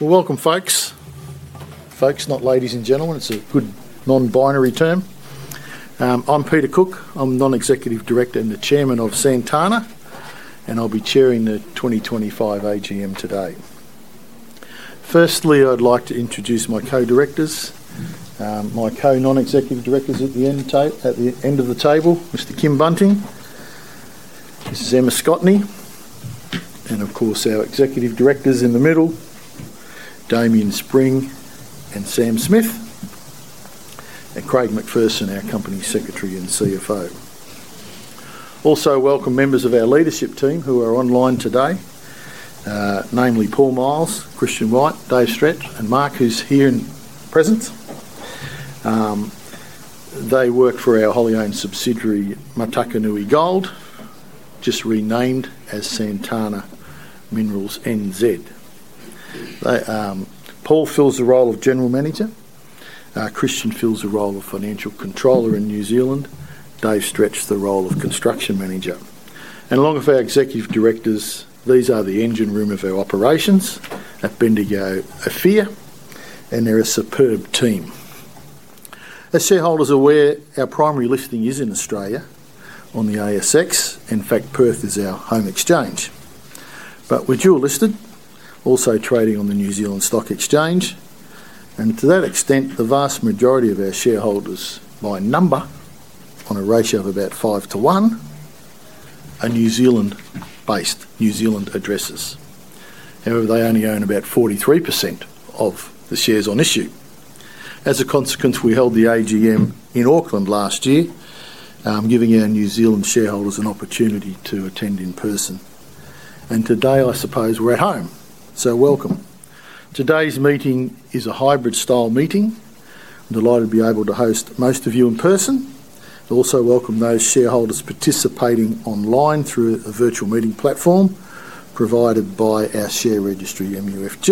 Welcome, folks. Folks, not ladies and gentlemen; it's a good non-binary term. I'm Peter Cook. I'm the Non-Executive Director and the Chairman of Santana, and I'll be chairing the 2025 AGM today. Firstly, I'd like to introduce my co-directors, my co-non-executive directors at the end of the table: Mr. Kim Bunting, Mrs. Emma Scotney, and of course our executive directors in the middle: Damian Spring and Sam Smith, and Craig McPherson, our Company Secretary and CFO. Also, welcome members of our leadership team who are online today, namely Paul Miles, Christian White, Dave Strech, and Mark, who's here in presence. They work for our wholly-owned subsidiary, Matakanui Gold, just renamed as Santana Minerals NZ. Paul fills the role of General Manager, Christian fills the role of Financial Controller in New Zealand, Dave Strech the role of Construction Manager. Along with our executive directors, these are the engine room of our operations at Bendigo-Ophir, and they're a superb team. As shareholders are aware, our primary listing is in Australia on the ASX. In fact, Perth is our home exchange. We are dual-listed, also trading on the New Zealand Stock Exchange, and to that extent, the vast majority of our shareholders, by number, on a ratio of about 5:1, are New Zealand-based, New Zealand addresses. However, they only own about 43% of the shares on issue. As a consequence, we held the AGM in Auckland last year, giving our New Zealand shareholders an opportunity to attend in person. Today, I suppose, we're at home. Welcome. Today's meeting is a hybrid-style meeting. I'm delighted to be able to host most of you in person. I also welcome those shareholders participating online through a virtual meeting platform provided by our share registry, MUFG.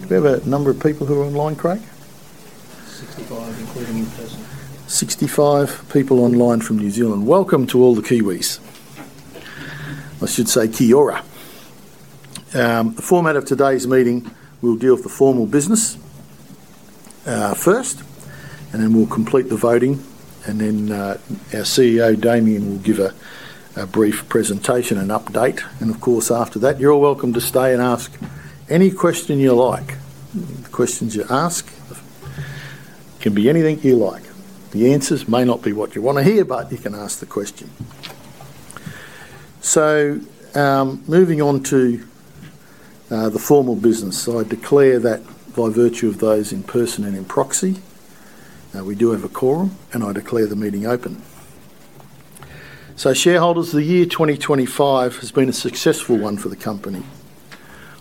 Do we have a number of people who are online, Craig? Sixty-five, including in person. Sixty-five people online from New Zealand. Welcome to all the Kiwis. I should say kia ora. The format of today's meeting: we'll deal with the formal business first, and then we'll complete the voting, and then our CEO, Damian, will give a brief presentation and update. Of course, after that, you're all welcome to stay and ask any question you like. The questions you ask can be anything you like. The answers may not be what you want to hear, but you can ask the question. Moving on to the formal business, I declare that by virtue of those in person and in proxy, we do have a quorum, and I declare the meeting open. Shareholders, the year 2025 has been a successful one for the company.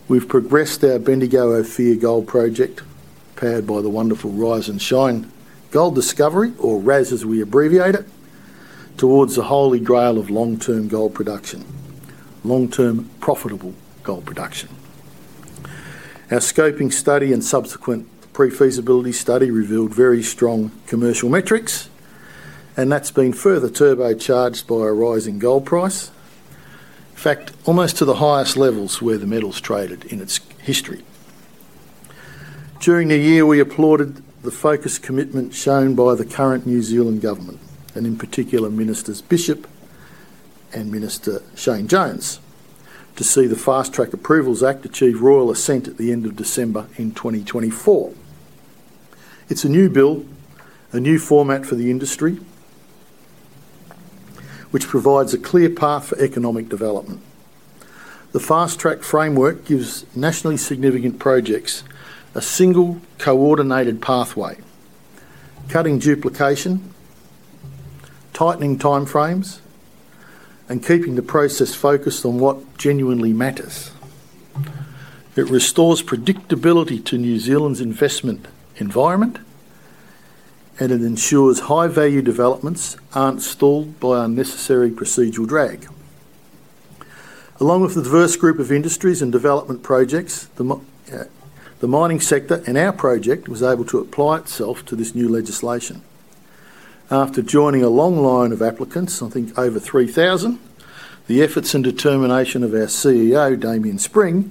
We've progressed our Bendigo-Ophir Gold Project, powered by the wonderful Rise and Shine Gold Discovery, or RAS as we abbreviate it, towards a holy grail of long-term gold production, long-term profitable gold production. Our scoping study and subsequent pre-feasibility study revealed very strong commercial metrics, and that's been further turbocharged by a rising gold price, in fact, almost to the highest levels where the metal's traded in its history. During the year, we applauded the focused commitment shown by the current New Zealand government, and in particular, Minister Bishop and Minister Shane Jones, to see the Fast-track Approvals Act achieve royal assent at the end of December in 2024. It's a new bill, a new format for the industry, which provides a clear path for economic development. The Fast-track framework gives nationally significant projects a single coordinated pathway, cutting duplication, tightening timeframes, and keeping the process focused on what genuinely matters. It restores predictability to New Zealand's investment environment, and it ensures high-value developments aren't stalled by unnecessary procedural drag. Along with a diverse group of industries and development projects, the mining sector and our project were able to apply itself to this new legislation. After joining a long line of applicants, I think over 3,000, the efforts and determination of our CEO, Damian Spring,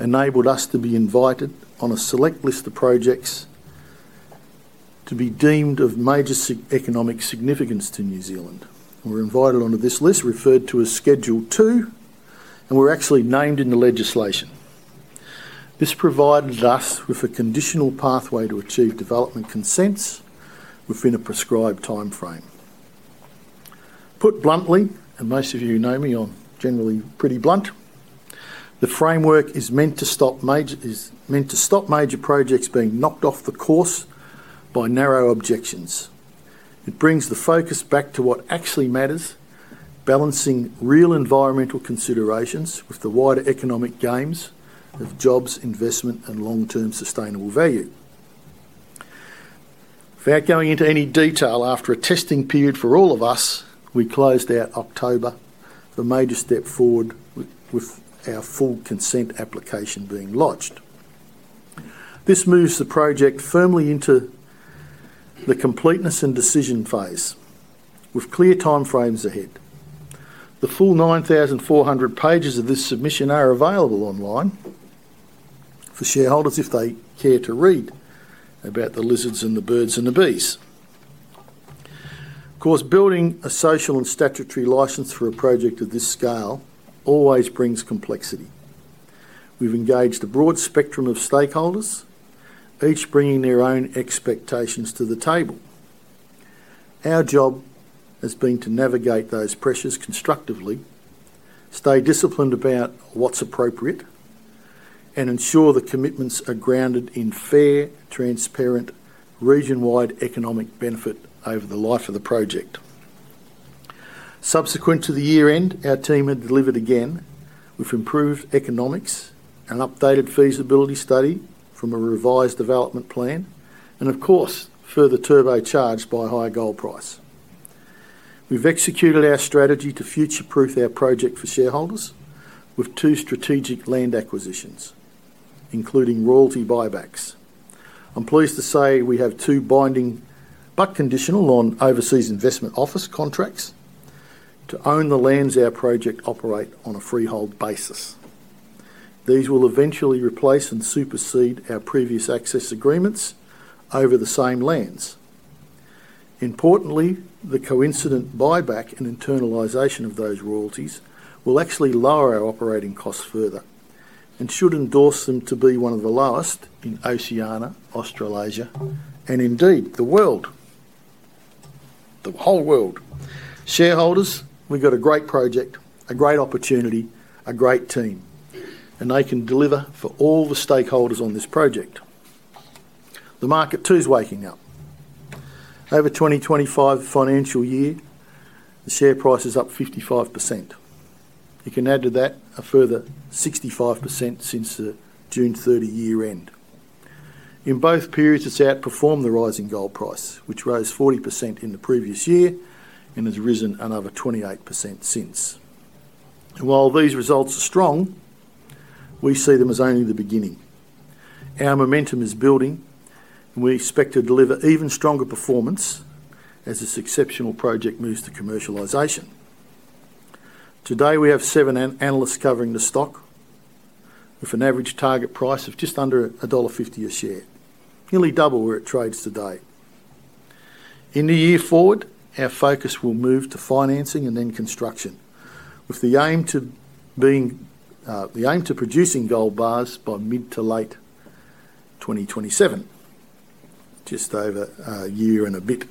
enabled us to be invited on a select list of projects to be deemed of major economic significance to New Zealand. We were invited onto this list, referred to as Schedule 2, and we're actually named in the legislation. This provided us with a conditional pathway to achieve development consents within a prescribed timeframe. Put bluntly, and most of you know me, I'm generally pretty blunt, the framework is meant to stop major projects being knocked off the course by narrow objections. It brings the focus back to what actually matters, balancing real environmental considerations with the wider economic gains of jobs, investment, and long-term sustainable value. Without going into any detail, after a testing period for all of us, we closed out October the major step forward with our full consent application being lodged. This moves the project firmly into the completeness and decision phase, with clear timeframes ahead. The full 9,400 pages of this submission are available online for shareholders if they care to read about the lizards and the birds and the bees. Of course, building a social and statutory license for a project of this scale always brings complexity. We've engaged a broad spectrum of stakeholders, each bringing their own expectations to the table. Our job has been to navigate those pressures constructively, stay disciplined about what's appropriate, and ensure the commitments are grounded in fair, transparent, region-wide economic benefit over the life of the project. Subsequent to the year-end, our team had delivered again with improved economics, an updated feasibility study from a revised development plan, and of course, further turbocharged by higher gold price. We've executed our strategy to future-proof our project for shareholders with two strategic land acquisitions, including royalty buybacks. I'm pleased to say we have two binding but conditional on Overseas Investment Office contracts to own the lands our project operates on a freehold basis. These will eventually replace and supersede our previous access agreements over the same lands. Importantly, the coincident buyback and internalisation of those royalties will actually lower our operating costs further and should endorse them to be one of the lowest in Oceania, Australasia, and indeed the world, the whole world. Shareholders, we've got a great project, a great opportunity, a great team, and they can deliver for all the stakeholders on this project. The market, too, is waking up. Over 2025 financial year, the share price is up 55%. You can add to that a further 65% since the June 30 year-end. In both periods, it's outperformed the rising gold price, which rose 40% in the previous year and has risen another 28% since. While these results are strong, we see them as only the beginning. Our momentum is building, and we expect to deliver even stronger performance as this exceptional project moves to commercialisation. Today, we have seven analysts covering the stock with an average target price of just under dollar 1.50 a share, nearly double where it trades today. In the year forward, our focus will move to financing and then construction, with the aim to being the aim to producing gold bars by mid to late 2027, just over a year and a bit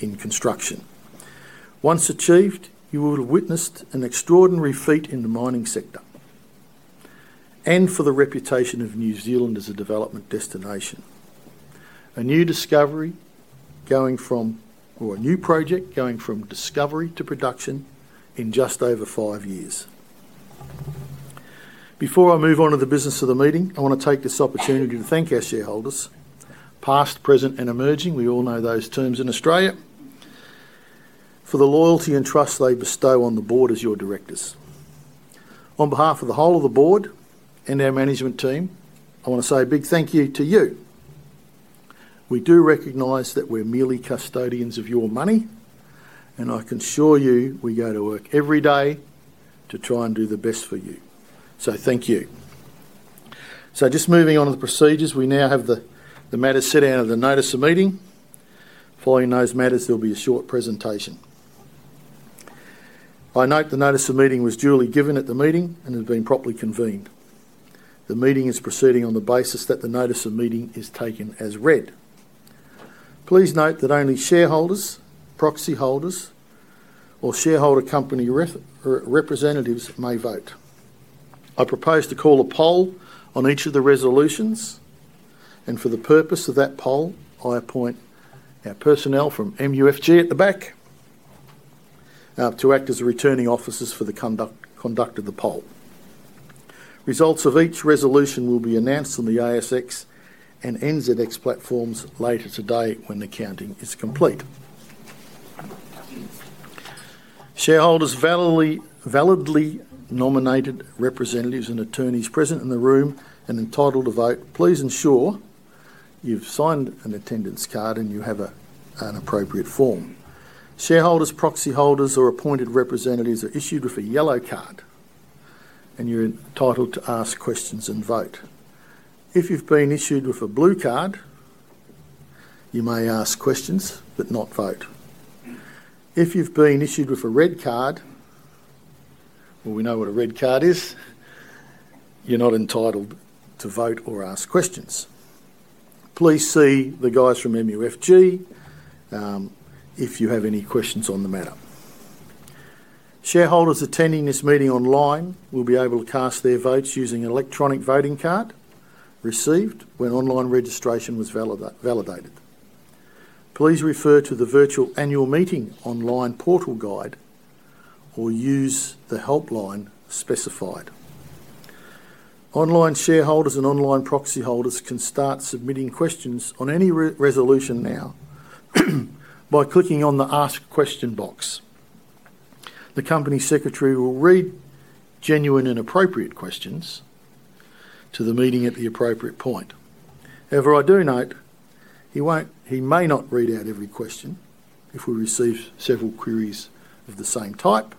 in construction. Once achieved, you will have witnessed an extraordinary feat in the mining sector and for the reputation of New Zealand as a development destination. A new discovery going from or a new project going from discovery to production in just over five years. Before I move on to the business of the meeting, I want to take this opportunity to thank our shareholders, past, present, and emerging; we all know those terms in Australia, for the loyalty and trust they bestow on the board as your directors. On behalf of the whole of the board and our management team, I want to say a big thank you to you. We do recognize that we're merely custodians of your money, and I can assure you we go to work every day to try and do the best for you. Thank you. Just moving on to the procedures, we now have the matters set out of the notice of meeting. Following those matters, there will be a short presentation. I note the notice of meeting was duly given at the meeting and has been properly convened. The meeting is proceeding on the basis that the notice of meeting is taken as read. Please note that only shareholders, proxy holders, or shareholder company representatives may vote. I propose to call a poll on each of the resolutions, and for the purpose of that poll, I appoint our personnel from MUFG at the back to act as the returning officers for the conduct of the poll. Results of each resolution will be announced on the ASX and NZX platforms later today when accounting is complete. Shareholders, validly nominated representatives and attorneys present in the room and entitled to vote, please ensure you've signed an attendance card and you have an appropriate form. Shareholders, proxy holders, or appointed representatives are issued with a yellow card, and you're entitled to ask questions and vote. If you've been issued with a blue card, you may ask questions but not vote. If you've been issued with a red card, we know what a red card is, you're not entitled to vote or ask questions. Please see the guys from MUFG if you have any questions on the matter. Shareholders attending this meeting online will be able to cast their votes using an electronic voting card received when online registration was validated. Please refer to the virtual annual meeting online portal guide or use the helpline specified. Online shareholders and online proxy holders can start submitting questions on any resolution now by clicking on the ask question box. The Company Secretary will read genuine and appropriate questions to the meeting at the appropriate point. However, I do note he may not read out every question if we receive several queries of the same type.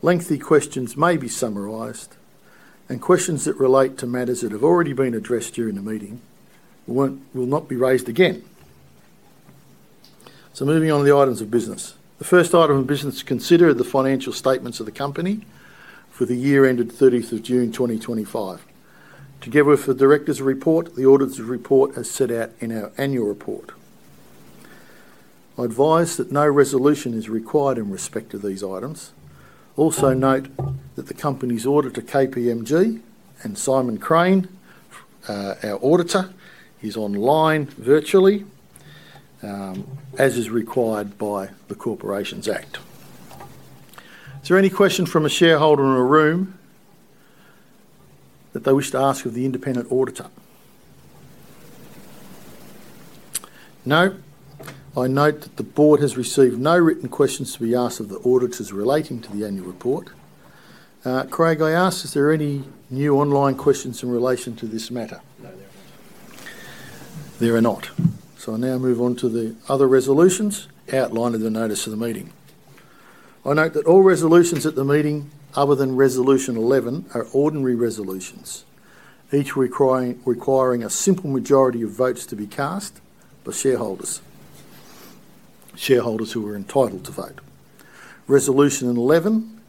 Lengthy questions may be summarized, and questions that relate to matters that have already been addressed during the meeting will not be raised again. Moving on to the items of business. The first item of business to consider are the financial statements of the company for the year-end of 30th of June 2025. Together with the director's report, the auditor's report is set out in our annual report. I advise that no resolution is required in respect of these items. Also note that the company's auditor, KPMG, and Simon Crane, our auditor, is online virtually, as is required by the Corporations Act. Is there any question from a shareholder in a room that they wish to ask of the independent auditor? No. I note that the board has received no written questions to be asked of the auditors relating to the annual report. Craig, I ask, is there any new online questions in relation to this matter? No. There are not. There are not. I now move on to the other resolutions. Outline of the notice of the meeting. I note that all resolutions at the meeting other than resolution 11 are ordinary resolutions, each requiring a simple majority of votes to be cast by shareholders, shareholders who are entitled to vote. Resolution 11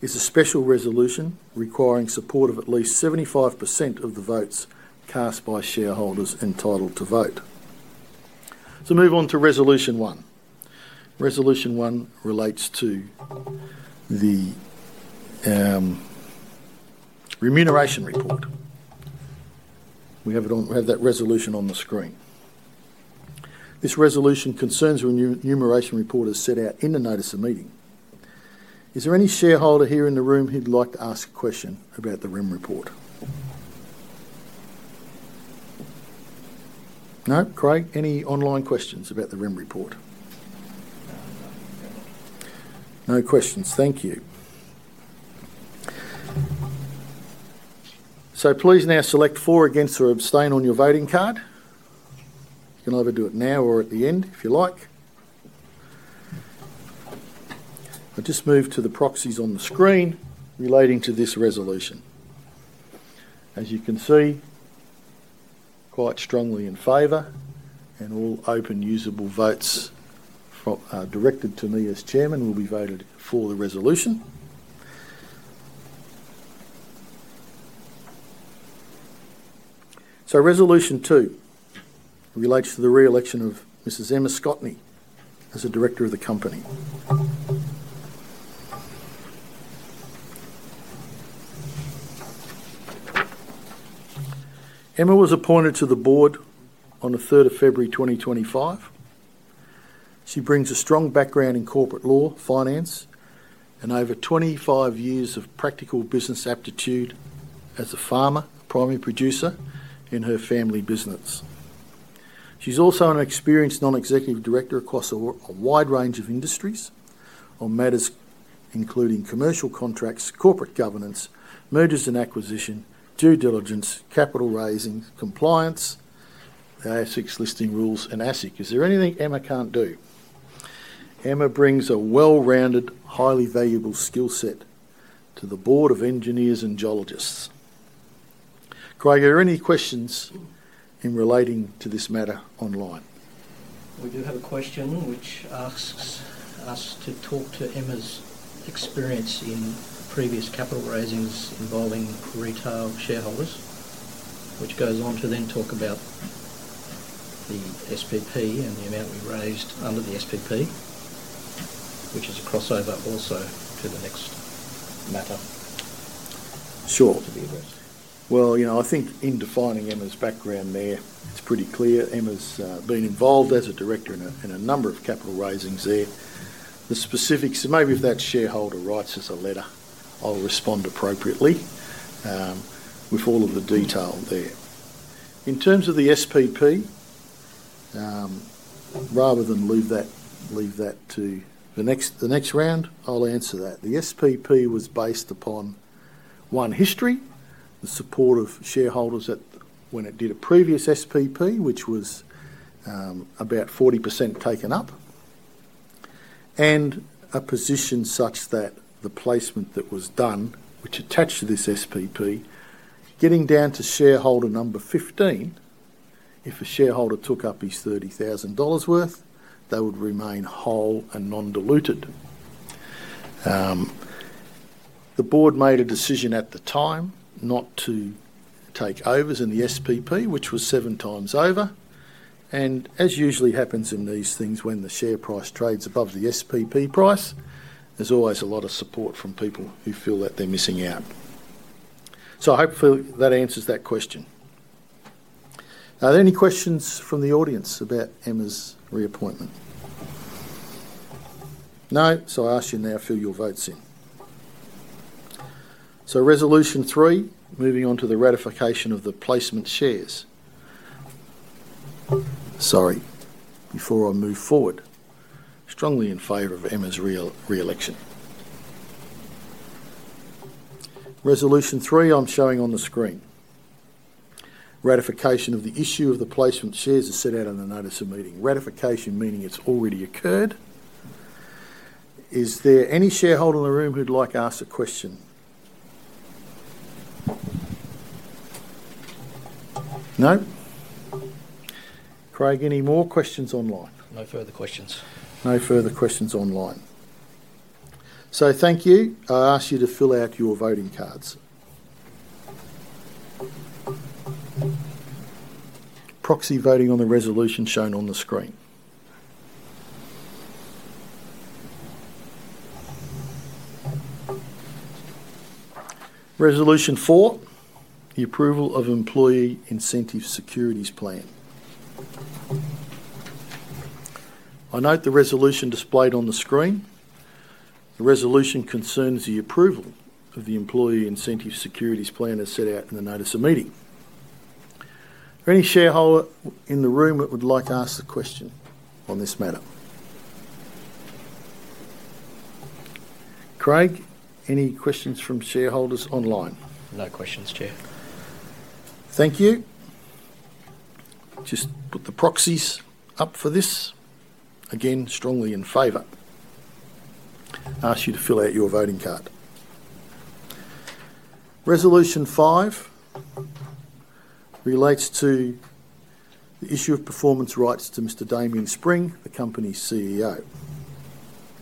is a special resolution requiring support of at least 75% of the votes cast by shareholders entitled to vote. I move on to resolution one. Resolution one relates to the remuneration report. We have that resolution on the screen. This resolution concerns remuneration report as set out in the notice of meeting. Is there any shareholder here in the room who'd like to ask a question about the REM report? No? Craig, any online questions about the REM report? No questions. Thank you. Please now select for, against, or abstain on your voting card. You can either do it now or at the end if you like. I just moved to the proxies on the screen relating to this resolution. As you can see, quite strongly in favor, and all open usable votes directed to me as Chairman will be voted for the resolution. Resolution two relates to the re-election of Mrs. Emma Scotney as a director of the company. Emma was appointed to the board on the 3rd of February 2025. She brings a strong background in corporate law, finance, and over 25 years of practical business aptitude as a farmer, primary producer in her family business. She is also an experienced non-executive director across a wide range of industries on matters including commercial contracts, corporate governance, mergers and acquisition, due diligence, capital raising, compliance, ASX listing rules, and ASIC. Is there anything Emma can't do? Emma brings a well-rounded, highly valuable skill set to the board of engineers and geologists. Craig, are there any questions in relating to this matter online? We do have a question which asks us to talk to Emma's experience in previous capital raisings involving retail shareholders, which goes on to then talk about the SPP and the amount we raised under the SPP, which is a crossover also to the next matter. Sure. I think in defining Emma's background there, it's pretty clear Emma's been involved as a director in a number of capital raisings there. The specifics, maybe if that shareholder writes us a letter, I'll respond appropriately with all of the detail there. In terms of the SPP, rather than leave that to the next round, I'll answer that. The SPP was based upon, one, history, the support of shareholders when it did a previous SPP, which was about 40% taken up, and a position such that the placement that was done, which attached to this SPP, getting down to shareholder number 15, if a shareholder took up his 30,000 dollars worth, they would remain whole and non-diluted. The board made a decision at the time not to take overs in the SPP, which was 7x over. As usually happens in these things, when the share price trades above the SPP price, there is always a lot of support from people who feel that they are missing out. Hopefully that answers that question. Are there any questions from the audience about Emma's reappointment? No? I ask you now to fill your votes in. Resolution three, moving on to the ratification of the placement shares. Sorry. Before I move forward, strongly in favor of Emma's re-election. Resolution three, I am showing on the screen. Ratification of the issue of the placement shares is set out in the notice of meeting. Ratification, meaning it has already occurred. Is there any shareholder in the room who would like to ask a question? No? Craig, any more questions online? No further questions. No further questions online. Thank you. I ask you to fill out your voting cards. Proxy voting on the resolution shown on the screen. Resolution four, the approval of employee incentive securities plan. I note the resolution displayed on the screen. The resolution concerns the approval of the employee incentive securities plan as set out in the notice of meeting. Any shareholder in the room that would like to ask a question on this matter? Craig, any questions from shareholders online? No questions, Chair. Thank you. Just put the proxies up for this. Again, strongly in favor. Ask you to fill out your voting card. Resolution five relates to the issue of performance rights to Mr. Damian Spring, the company's CEO.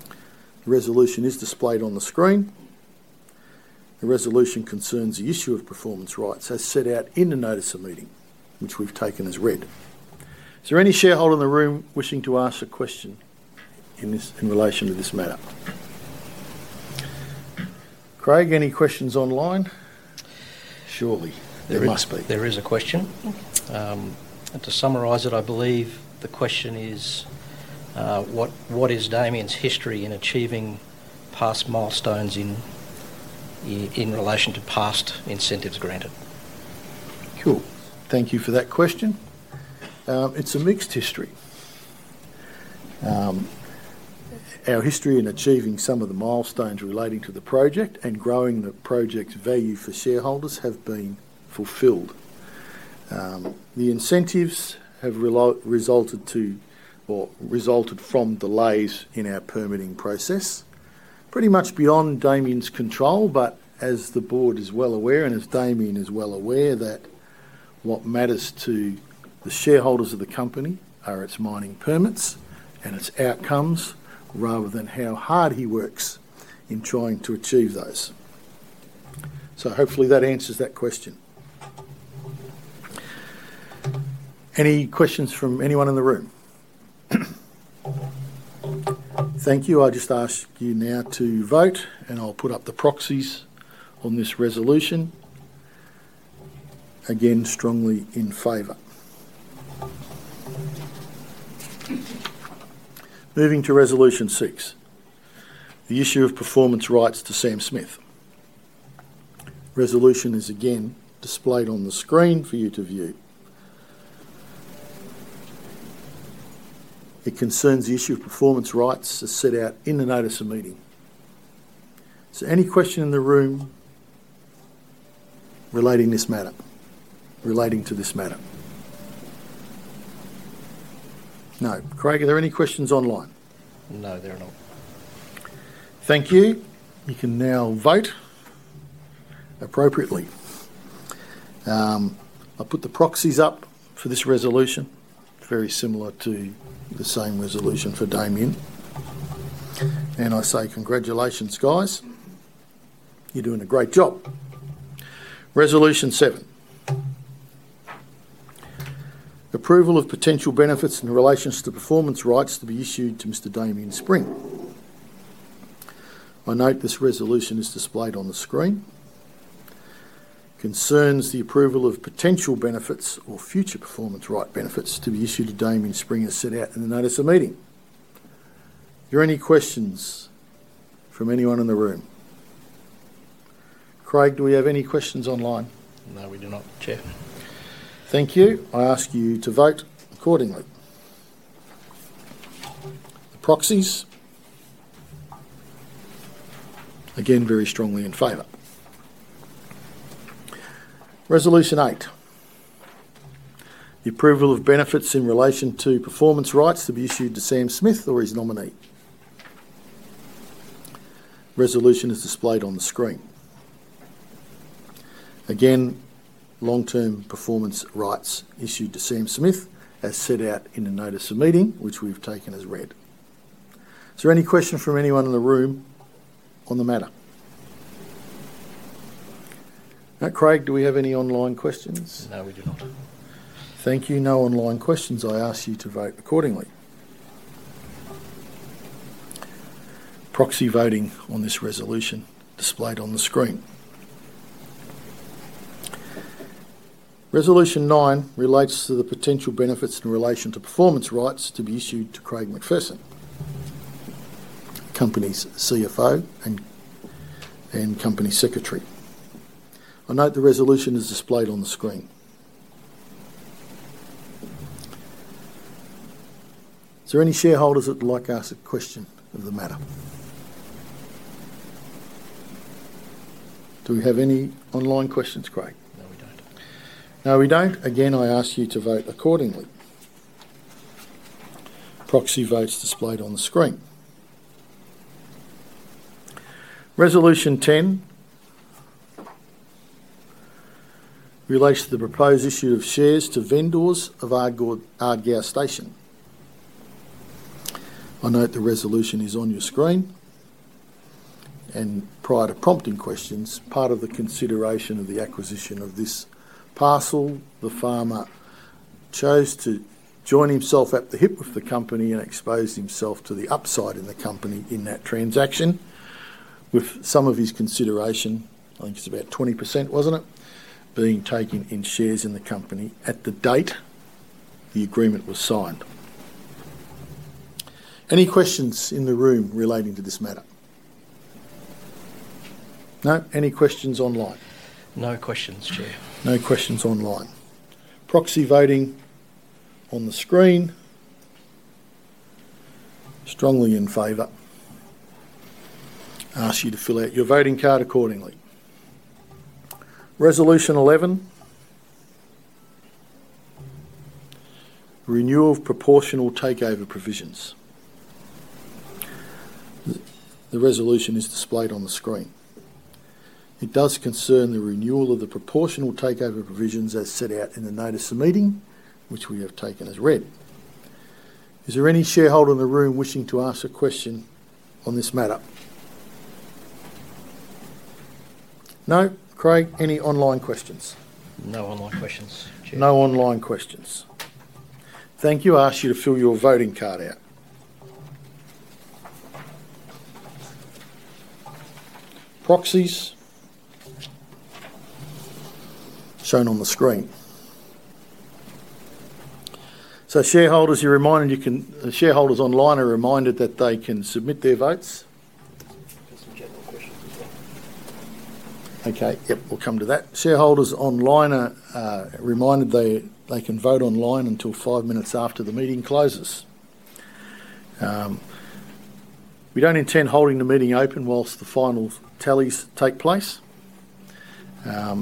The resolution is displayed on the screen. The resolution concerns the issue of performance rights as set out in the notice of meeting, which we've taken as read. Is there any shareholder in the room wishing to ask a question in relation to this matter? Craig, any questions online? Surely there must be. There is a question. To summarize it, I believe the question is, what is Damian's history in achieving past milestones in relation to past incentives granted? Sure. Thank you for that question. It's a mixed history. Our history in achieving some of the milestones relating to the project and growing the project's value for shareholders have been fulfilled. The incentives have resulted from delays in our permitting process, pretty much beyond Damian's control, but as the board is well aware and as Damian is well aware that what matters to the shareholders of the company are its mining permits and its outcomes rather than how hard he works in trying to achieve those. Hopefully that answers that question. Any questions from anyone in the room? Thank you. I'll just ask you now to vote, and I'll put up the proxies on this resolution. Again, strongly in favor. Moving to resolution six, the issue of performance rights to Sam Smith. Resolution is again displayed on the screen for you to view. It concerns the issue of performance rights as set out in the notice of meeting. Is there any question in the room relating to this matter? No. Craig, are there any questions online? No, there are not. Thank you. You can now vote appropriately. I'll put the proxies up for this resolution, very similar to the same resolution for Damian. I say, "Congratulations, guys. You're doing a great job." Resolution seven, approval of potential benefits in relation to performance rights to be issued to Mr. Damian Spring. I note this resolution is displayed on the screen. Concerns the approval of potential benefits or future performance right benefits to be issued to Damian Spring as set out in the notice of meeting. Are there any questions from anyone in the room? Craig, do we have any questions online? No, we do not, Chair. Thank you. I ask you to vote accordingly. The proxies? Again, very strongly in favor. Resolution eight, the approval of benefits in relation to performance rights to be issued to Sam Smith or his nominee. Resolution is displayed on the screen. Again, long-term performance rights issued to Sam Smith as set out in the notice of meeting, which we've taken as read. Is there any question from anyone in the room on the matter? Craig, do we have any online questions? No, we do not. Thank you. No online questions. I ask you to vote accordingly. Proxy voting on this resolution displayed on the screen. Resolution nine relates to the potential benefits in relation to performance rights to be issued to Craig McPherson, company's CFO and Company Secretary. I note the resolution is displayed on the screen. Is there any shareholders that would like to ask a question of the matter? Do we have any online questions, Craig? No, we don't. No, we don't. Again, I ask you to vote accordingly. Proxy votes displayed on the screen. Resolution 10 relates to the proposed issue of shares to vendors of Ardgour Station. I note the resolution is on your screen. Prior to prompting questions, part of the consideration of the acquisition of this parcel, the farmer chose to join himself at the hip with the company and exposed himself to the upside in the company in that transaction, with some of his consideration, I think it was about 20%, wasn't it, being taken in shares in the company at the date the agreement was signed. Any questions in the room relating to this matter? No? Any questions online? No questions, Chair. No questions online. Proxy voting on the screen. Strongly in favor. I ask you to fill out your voting card accordingly. Resolution 11, renewal of proportional takeover provisions. The resolution is displayed on the screen. It does concern the renewal of the proportional takeover provisions as set out in the notice of meeting, which we have taken as read. Is there any shareholder in the room wishing to ask a question on this matter? No? Craig, any online questions? No online questions, Chair. No online questions. Thank you. I ask you to fill your voting card out. Proxies shown on the screen. Shareholders, you're reminded you can shareholders online are reminded that they can submit their votes. Just some general questions as well. Okay. Yep, we'll come to that. Shareholders online are reminded they can vote online until five minutes after the meeting closes. We do not intend holding the meeting open whilst the final tallies take place, but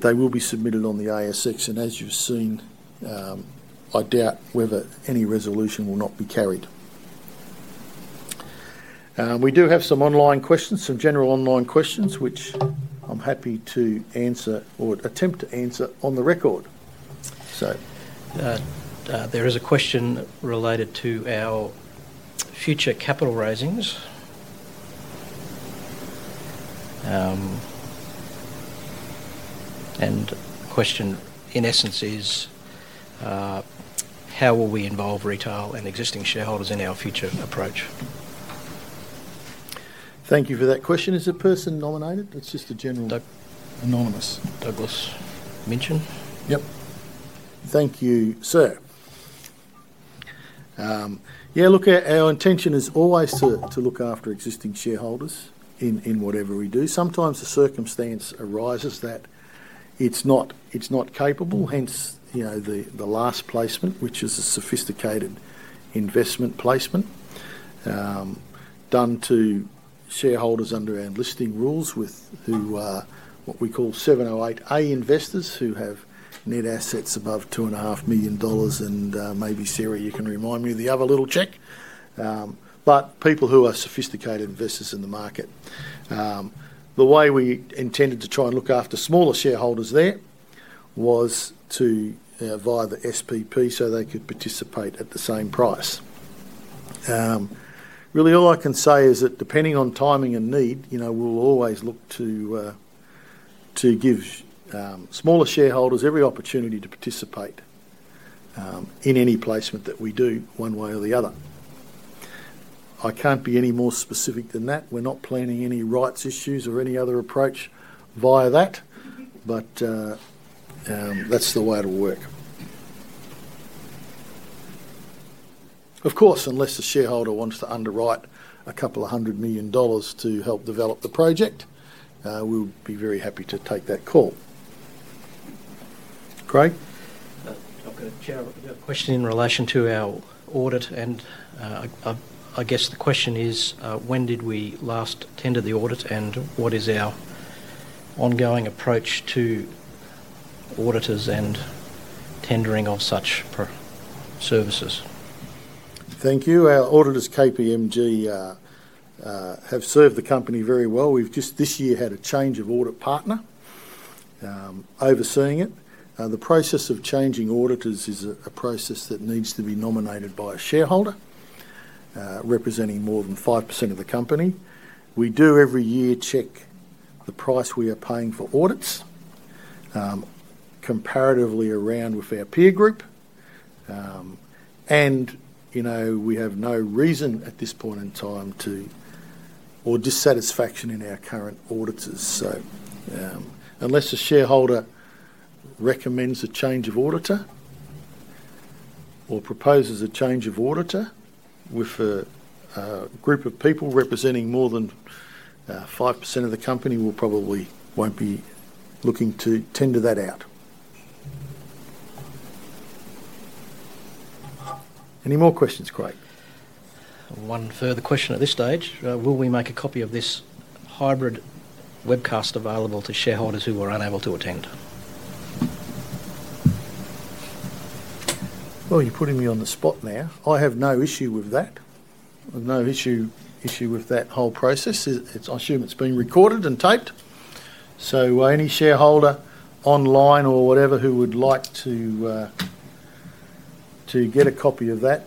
they will be submitted on the ASX. As you have seen, I doubt whether any resolution will not be carried. We do have some online questions, some general online questions, which I am happy to answer or attempt to answer on the record. There is a question related to our future capital raisings. The question in essence is, how will we involve retail and existing shareholders in our future approach? Thank you for that question. Is a person nominated? It's just a general. Anonymous. Douglas Minchin. Yep. Thank you, sir. Yeah, look, our intention is always to look after existing shareholders in whatever we do. Sometimes a circumstance arises that it's not capable, hence the last placement, which is a sophisticated investment placement done to shareholders under our listing rules with what we call 708A investors who have net assets above 2.5 million dollars and maybe, Sarah, you can remind me of the other little check. But people who are sophisticated investors in the market. The way we intended to try and look after smaller shareholders there was to via the SPP so they could participate at the same price. Really, all I can say is that depending on timing and need, we'll always look to give smaller shareholders every opportunity to participate in any placement that we do one way or the other. I can't be any more specific than that. We're not planning any rights issues or any other approach via that, but that's the way it'll work. Of course, unless a shareholder wants to underwrite a couple of hundred million dollars to help develop the project, we'll be very happy to take that call. Craig? I've got a question in relation to our audit, and I guess the question is, when did we last tender the audit, and what is our ongoing approach to auditors and tendering of such services? Thank you. Our auditors, KPMG, have served the company very well. We've just this year had a change of audit partner overseeing it. The process of changing auditors is a process that needs to be nominated by a shareholder representing more than 5% of the company. We do every year check the price we are paying for audits comparatively around with our peer group, and we have no reason at this point in time to or dissatisfaction in our current auditors. Unless a shareholder recommends a change of auditor or proposes a change of auditor with a group of people representing more than 5% of the company, we probably won't be looking to tender that out. Any more questions, Craig? One further question at this stage. Will we make a copy of this hybrid webcast available to shareholders who are unable to attend? You're putting me on the spot now. I have no issue with that. I have no issue with that whole process. I assume it's been recorded and taped. Any shareholder online or whatever who would like to get a copy of that,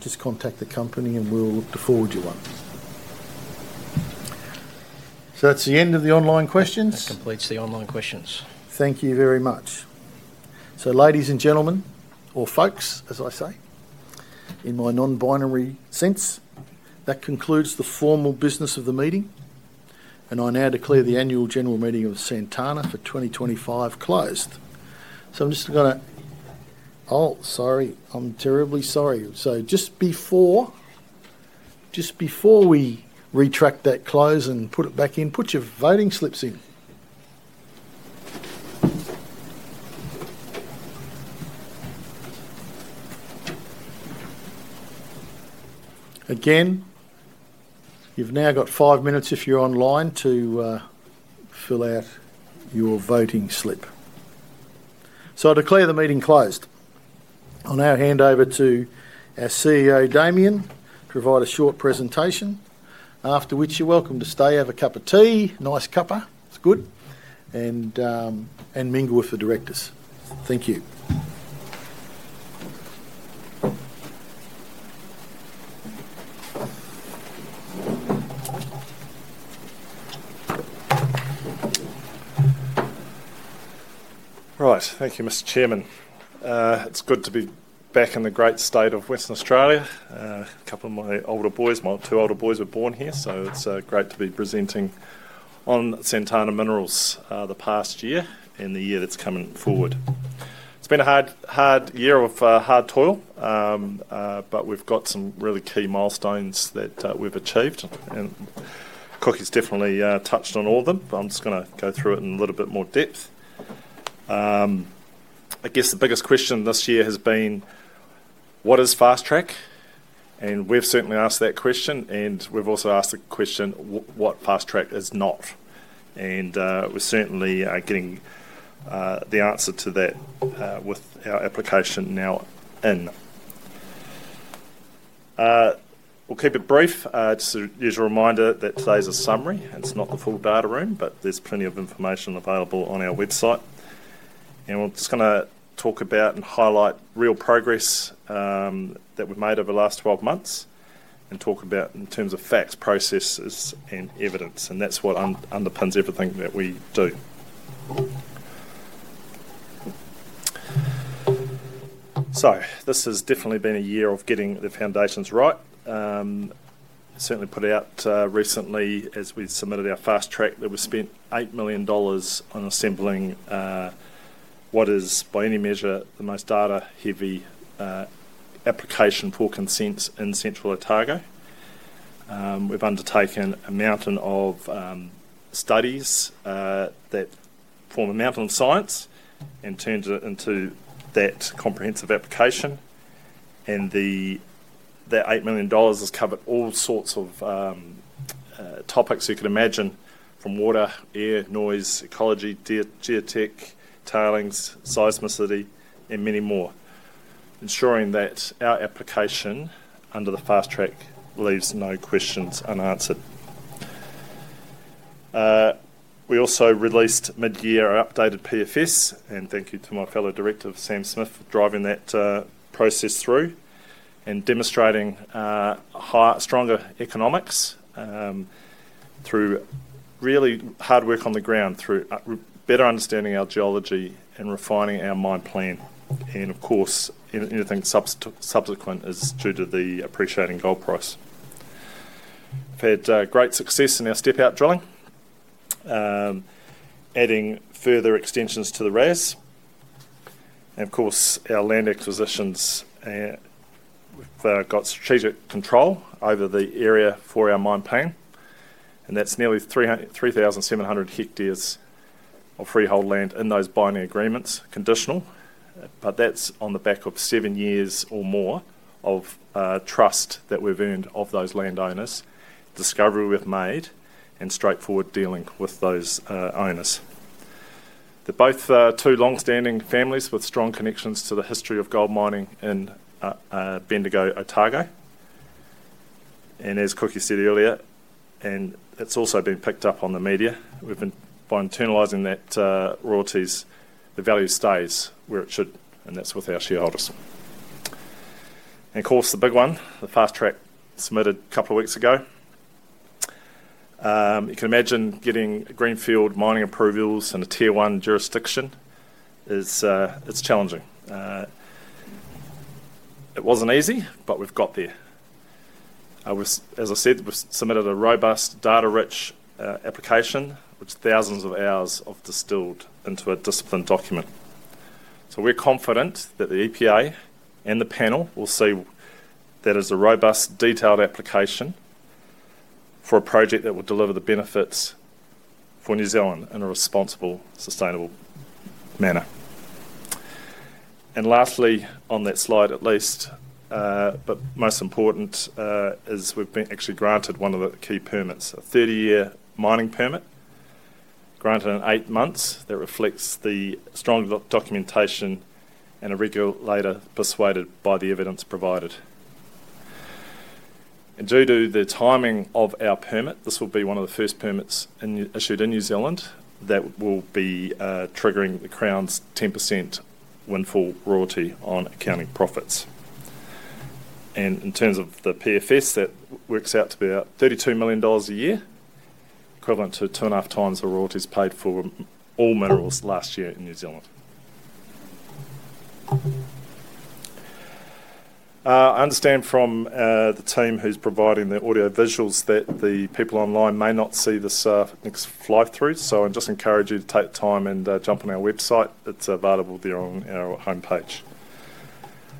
just contact the company, and we'll look to forward you one. That's the end of the online questions. That completes the online questions. Thank you very much. Ladies and gentlemen, or folks, as I say, in my non-binary sense, that concludes the formal business of the meeting, and I now declare the Annual General Meeting of Santana for 2025 closed. I'm just going to—oh, sorry. I'm terribly sorry. Just before we retract that close and put it back in, put your voting slips in. Again, you've now got five minutes if you're online to fill out your voting slip. I declare the meeting closed. I'll now hand over to our CEO, Damian, to provide a short presentation, after which you're welcome to stay and have a cup of tea—nice cupper—it's good—and mingle with the directors. Thank you. Right. Thank you, Mr. Chairman. It's good to be back in the great state of Western Australia. A couple of my older boys—my two older boys—were born here, so it's great to be presenting on Santana Minerals the past year and the year that's coming forward. It's been a hard year of hard toil, but we've got some really key milestones that we've achieved, and Cookie's definitely touched on all of them. I'm just going to go through it in a little bit more depth. I guess the biggest question this year has been, "What is Fast-track?" We've certainly asked that question, and we've also asked the question, "What Fast-track is not?" We're certainly getting the answer to that with our application now in. We'll keep it brief. Just a reminder that today's a summary. It's not the full data room, but there's plenty of information available on our website. We're just going to talk about and highlight real progress that we've made over the last 12 months and talk about in terms of facts, processes, and evidence. That's what underpins everything that we do. This has definitely been a year of getting the foundations right. Certainly put out recently, as we submitted our Fast-track, that we spent 8 million dollars on assembling what is, by any measure, the most data-heavy application for consent in Central Otago. We've undertaken a mountain of studies that form a mountain of science and turned it into that comprehensive application. That 8 million dollars has covered all sorts of topics you could imagine from water, air, noise, ecology, geotech, tailings, seismicity, and many more, ensuring that our application under the Fast-track leaves no questions unanswered. We also released mid-year our updated PFS, and thank you to my fellow director, Sam Smith, for driving that process through and demonstrating stronger economics through really hard work on the ground, through better understanding our geology and refining our mine plan. Of course, anything subsequent is due to the appreciating gold price. We've had great success in our step-out drilling, adding further extensions to the RAS. Our land acquisitions, we've got strategic control over the area for our mine plan. That is nearly 3,700 hectares of freehold land in those binding agreements, conditional, but that is on the back of seven years or more of trust that we've earned of those landowners, discovery we've made, and straightforward dealing with those owners. They are both two long-standing families with strong connections to the history of gold mining in Bendigo, Otago. As Cookie said earlier, and it's also been picked up on the media, we've been, by internalizing that royalties, the value stays where it should, and that's with our shareholders. Of course, the big one, the Fast-track submitted a couple of weeks ago. You can imagine getting greenfield mining approvals in a tier-one jurisdiction, it's challenging. It wasn't easy, but we've got there. As I said, we've submitted a robust, data-rich application, which thousands of hours have distilled into a disciplined document. We're confident that the EPA and the panel will see that it's a robust, detailed application for a project that will deliver the benefits for New Zealand in a responsible, sustainable manner. Lastly, on that slide at least, but most important, is we've been actually granted one of the key permits: a 30-year mining permit granted in eight months that reflects the strong documentation and a regulator persuaded by the evidence provided. Due to the timing of our permit, this will be one of the first permits issued in New Zealand that will be triggering the Crown's 10% windfall royalty on accounting profits. In terms of the PFS, that works out to be about 32 million dollars a year, equivalent to 2.5x the royalties paid for all minerals last year in New Zealand. I understand from the team who's providing the audio visuals that the people online may not see this next fly-through, so I just encourage you to take the time and jump on our website. It's available there on our homepage.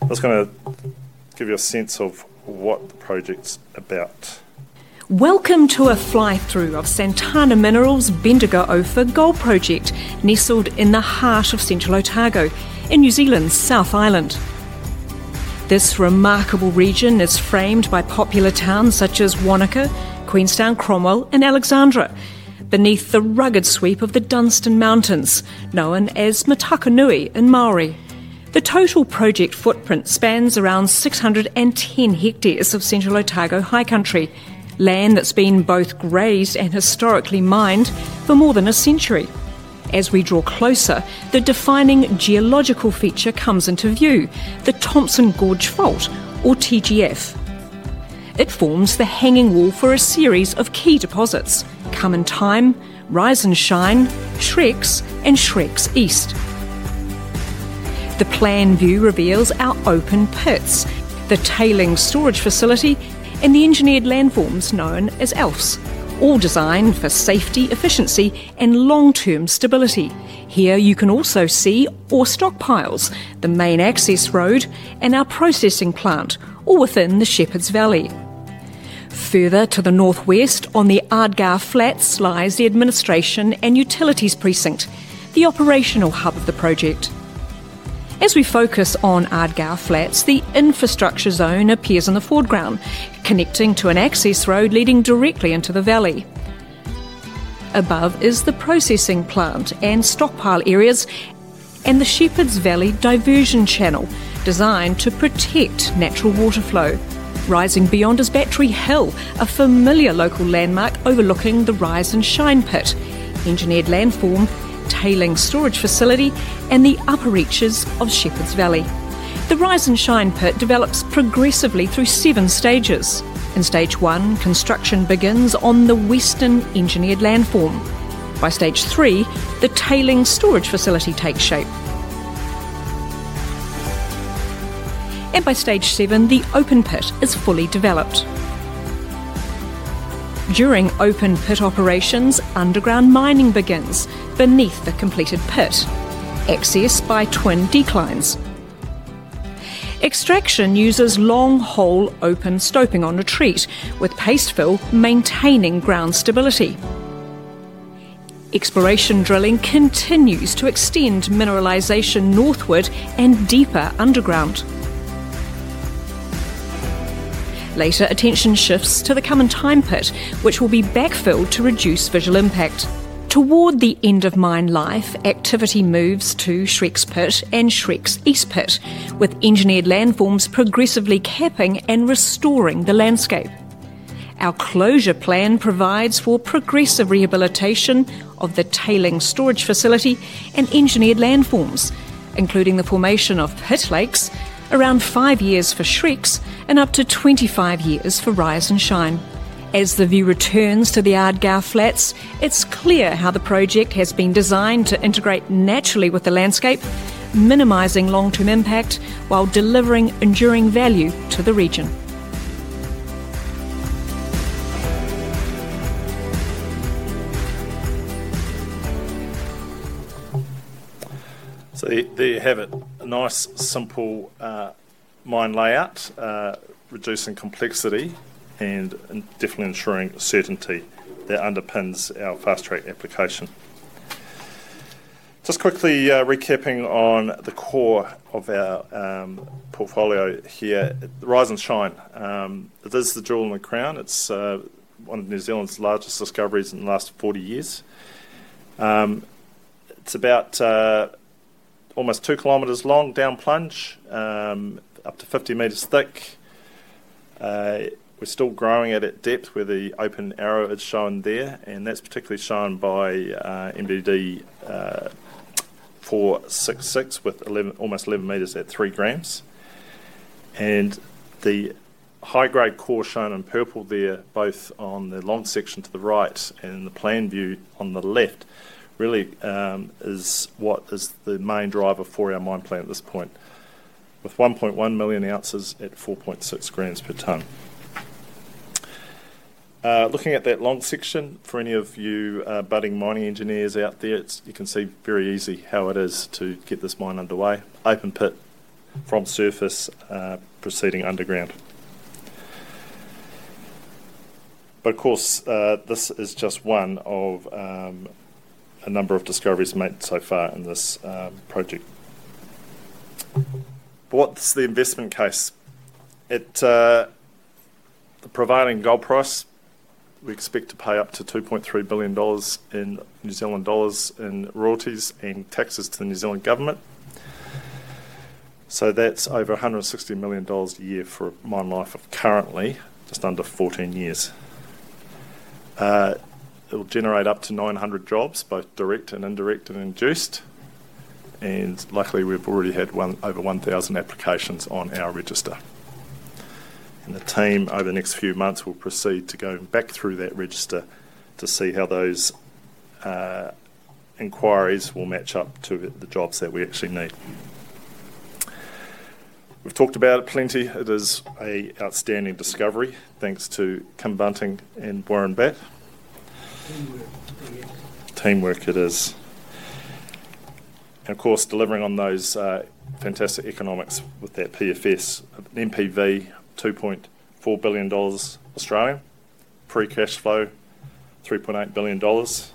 That's going to give you a sense of what the project's about. Welcome to a fly-through of Santana Minerals Bendigo-Ophir Gold Project, nestled in the heart of Central Otago in New Zealand's South Island. This remarkable region is framed by popular towns such as Wanaka, Queenstown, Cromwell, and Alexandra, beneath the rugged sweep of the Dunstan Mountains, known as Matakanui in Māori. The total project footprint spans around 610 hectares of Central Otago high country, land that's been both grazed and historically mined for more than a century. As we draw closer, the defining geological feature comes into view: the Thomson Gorge Fault, or TGF. It forms the hanging wall for a series of key deposits: Come-in-Time, Rise and Shine, Srex, and Srex East. The plan view reveals our open pits, the tailing storage facility, and the engineered landforms known as ELFs, all designed for safety, efficiency, and long-term stability. Here you can also see our stockpiles, the main access road, and our processing plant, all within the Shepherds Valley. Further to the northwest, on the Ardgour Flats, lies the administration and utilities precinct, the operational hub of the project. As we focus on Ardgour Flats, the infrastructure zone appears in the foreground, connecting to an access road leading directly into the valley. Above is the processing plant and stockpile areas and the Shepherds Valley diversion channel designed to protect natural water flow. Rising beyond is Battery Hill, a familiar local landmark overlooking the Rise and Shine pit, engineered landform, tailing storage facility, and the upper reaches of Shepherds Valley. The Rise and Shine pit develops progressively through seven stages. In stage one, construction begins on the western engineered landform. By stage three, the tailing storage facility takes shape. By stage seven, the open pit is fully developed. During open pit operations, underground mining begins beneath the completed pit, accessed by twin declines. Extraction uses long hole open stoping on retreat, with paste fill maintaining ground stability. Exploration drilling continues to extend mineralisation northward and deeper underground. Later, attention shifts to the Come-in-Time pit, which will be backfilled to reduce visual impact. Toward the end of mine life, activity moves to Srex pit and Srex East pit, with engineered landforms progressively capping and restoring the landscape. Our closure plan provides for progressive rehabilitation of the tailing storage facility and engineered landforms, including the formation of pit lakes around five years for Srex and up to 25 years for Rise and Shine. As the view returns to the Ardgour Flats, it's clear how the project has been designed to integrate naturally with the landscape, minimizing long-term impact while delivering enduring value to the region. There you have it: a nice, simple mine layout, reducing complexity and definitely ensuring certainty that underpins our Fast-track application. Just quickly recapping on the core of our portfolio here, Rise and Shine. It is the jewel in the crown. It is one of New Zealand's largest discoveries in the last 40 years. It is about almost 2 km long, down plunge, up to 50 m thick. We are still growing at its depth, where the open arrow is shown there, and that is particularly shown by MBD 466 with almost 11 m at 3 g. The high-grade core shown in purple there, both on the long section to the right and in the plan view on the left, really is what is the main driver for our mine plan at this point, with 1.1 million ounces at 4.6 g/t. Looking at that long section, for any of you budding mining engineers out there, you can see very easily how it is to get this mine underway: open pit from surface proceeding underground. Of course, this is just one of a number of discoveries made so far in this project. What's the investment case? The prevailing gold price, we expect to pay up to 2.3 billion dollars in royalties and taxes to the New Zealand government. That is over 160 million dollars a year for mine life currently, just under 14 years. It will generate up to 900 jobs, both direct and indirect and induced. Luckily, we've already had over 1,000 applications on our register. The team, over the next few months, will proceed to go back through that register to see how those inquiries will match up to the jobs that we actually need. We've talked about it plenty. It is an outstanding discovery, thanks to Kim Bunting and Warren Batt. Teamwork it is. Of course, delivering on those fantastic economics with that PFS, an MPV, 2.4 billion Australian dollars, pre-cash flow, 3.8 billion dollars,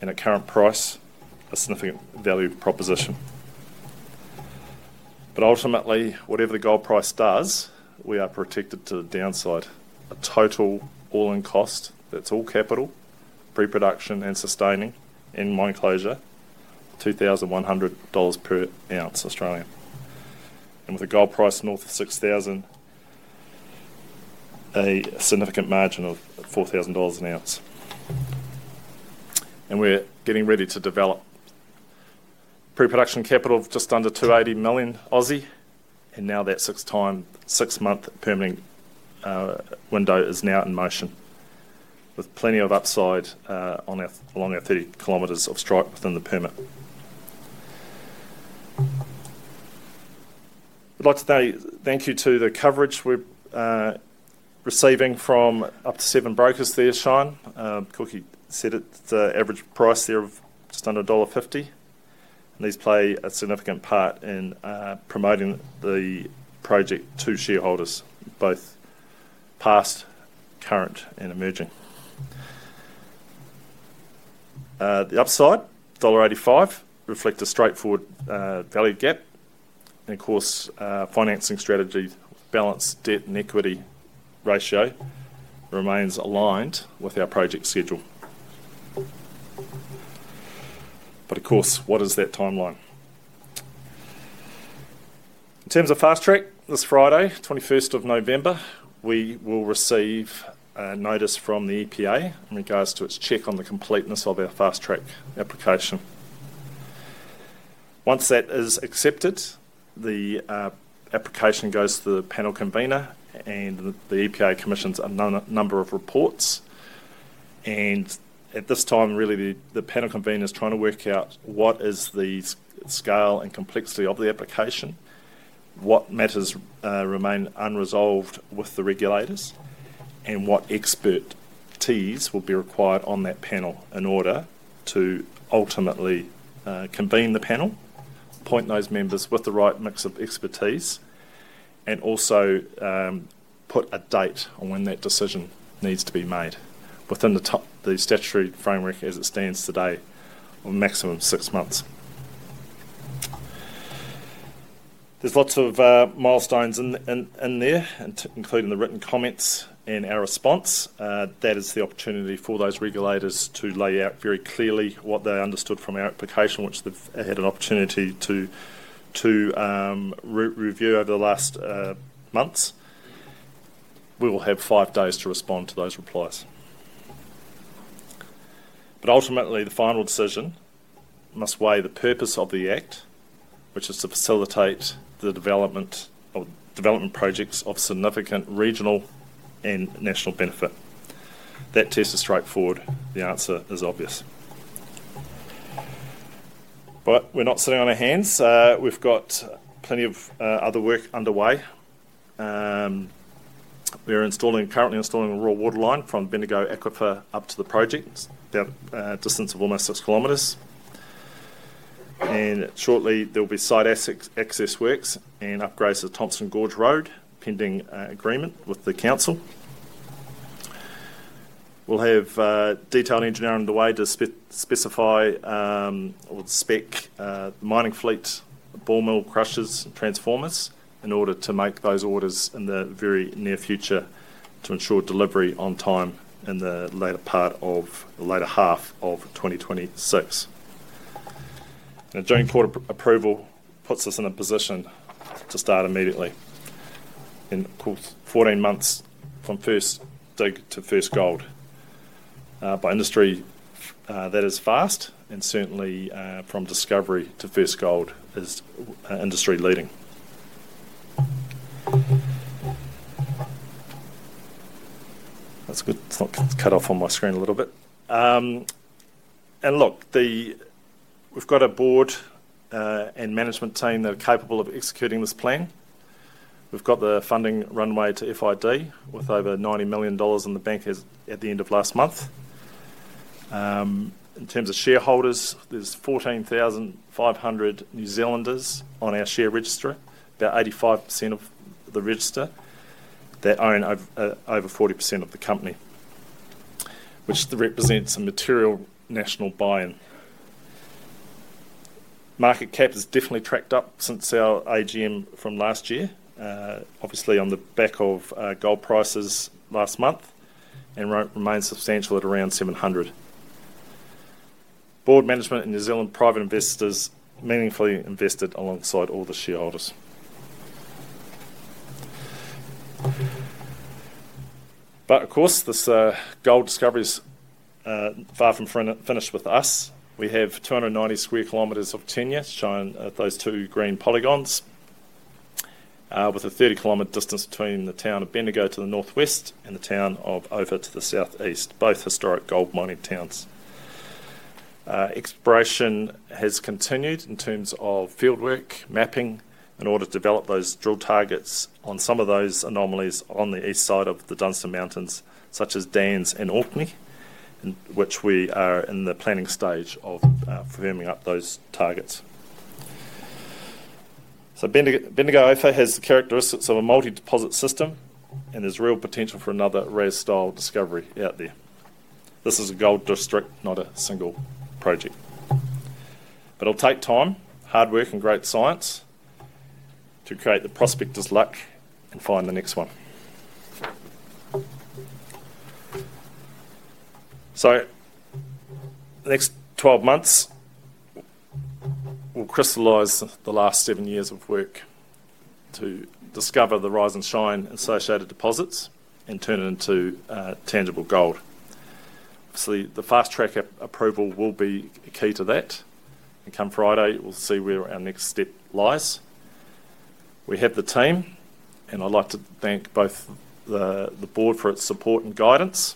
and a current price, a significant value proposition. Ultimately, whatever the gold price does, we are protected to the downside. A total all-in cost, that's all capital, pre-production and sustaining, and mine closure, 2,100 dollars per ounce. With a gold price north of 6,000, a significant margin of 4,000 dollars an ounce. We're getting ready to develop pre-production capital of just under 280 million. Now that six-month permitting window is now in motion, with plenty of upside along our 30 km of strike within the permit. I'd like to thank you for the coverage we're receiving from up to seven brokers there, Shane. Cookie said it's the average price there of just under dollar 1.50. And these play a significant part in promoting the project to shareholders, both past, current, and emerging. The upside, AUD 1.85, reflects a straightforward value gap. And of course, financing strategy, balance, debt, and equity ratio remains aligned with our project schedule. But of course, what is that timeline? In terms of Fast-track, this Friday, 21st of November, we will receive a notice from the EPA in regards to its check on the completeness of our Fast-track application. Once that is accepted, the application goes to the panel convener, and the EPA commissions a number of reports. At this time, really, the panel convener is trying to work out what is the scale and complexity of the application, what matters remain unresolved with the regulators, and what expertise will be required on that panel in order to ultimately convene the panel, appoint those members with the right mix of expertise, and also put a date on when that decision needs to be made within the statutory framework as it stands today of maximum six months. There are lots of milestones in there, including the written comments and our response. That is the opportunity for those regulators to lay out very clearly what they understood from our application, which they have had an opportunity to review over the last months. We will have five days to respond to those replies. Ultimately, the final decision must weigh the purpose of the act, which is to facilitate the development projects of significant regional and national benefit. That test is straightforward. The answer is obvious. We're not sitting on our hands. We've got plenty of other work underway. We're currently installing a raw water line from Bendigo aquifer up to the project, a distance of almost 6 km. Shortly, there will be site access works and upgrades to Thomson Gorge Road, pending agreement with the council. We'll have detailed engineering underway to specify or spec the mining fleet, bore mill, crushers, and transformers in order to make those orders in the very near future to ensure delivery on time in the later part of the latter half of 2026. A June quarter approval puts us in a position to start immediately. Of course, 14 months from first dig to first gold. By industry, that is fast. Certainly, from discovery to first gold is industry leading. That's good. It's not cut off on my screen a little bit. Look, we've got a board and management team that are capable of executing this plan. We've got the funding runway to FID with over 90 million dollars in the bank at the end of last month. In terms of shareholders, there's 14,500 New Zealanders on our share register, about 85% of the register that own over 40% of the company, which represents a material national buy-in. Market cap has definitely tracked up since our AGM from last year, obviously on the back of gold prices last month, and remains substantial at around 700 million. Board, management, and New Zealand private investors meaningfully invested alongside all the shareholders. Of course, this gold discovery is far from finished with us. We have 290 sq km of tenure shown at those two green polygons, with a 30 km distance between the town of Bendigo to the northwest and the town of Ophir to the southeast, both historic gold mining towns. Exploration has continued in terms of fieldwork, mapping, in order to develop those drill targets on some of those anomalies on the east side of the Dunstan Mountains, such as Dans and Orkney, which we are in the planning stage of firming up those targets. Bendigo-Ophir has the characteristics of a multi-deposit system, and there's real potential for another Rise and Shine discovery out there. This is a gold district, not a single project. It'll take time, hard work, and great science to create the prospectus luck and find the next one. The next 12 months will crystallize the last seven years of work to discover the Rise and Shine associated deposits and turn it into tangible gold. Obviously, the Fast-track approval will be key to that. Come Friday, we'll see where our next step lies. We have the team, and I'd like to thank both the board for its support and guidance.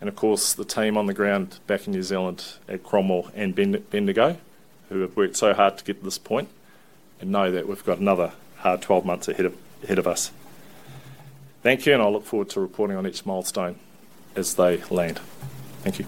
Of course, the team on the ground back in New Zealand at Cromwell and Bendigo, who have worked so hard to get to this point, know that we've got another hard 12 months ahead of us. Thank you, and I look forward to reporting on each milestone as they land. Thank you.